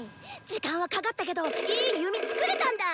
時間はかかったけどいい弓作れたんだ！